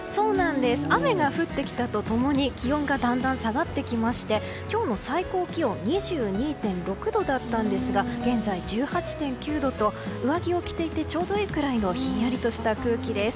雨が降ってきたと共に気温がだんだん下がってきまして今日の最高気温２２．６度だったんですが現在１８．９度と上着を着ていてちょうどいいくらいのひんやりとした空気です。